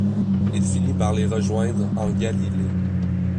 Il finit par les rejoindre en Galilée.